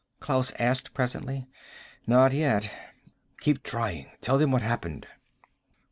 Klaus asked presently. "Not yet." "Keep trying. Tell them what happened."